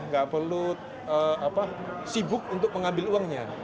gak perlu sibuk untuk mengambil uangnya